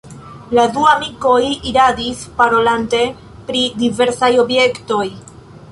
La du amikoj iradis, parolante pri diversaj objektoj.